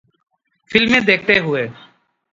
فلمیں دیکھتے ہوئے